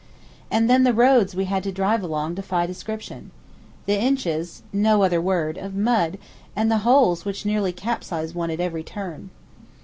And then the roads we had to drive along defy description. The inches (no other word) of mud, and the holes which nearly capsize one at every turn.